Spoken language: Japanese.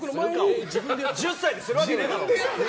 １０歳でするわけねえだろ！